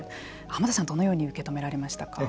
濱田さんはどのように受け止められましたか。